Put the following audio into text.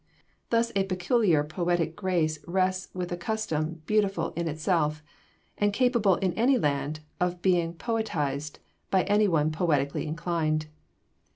Thus a peculiar poetic grace rests with a custom beautiful in itself, and capable in any land of being poetized by any one poetically inclined.